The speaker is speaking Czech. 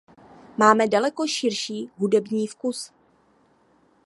Máme daleko širší hudební vkus.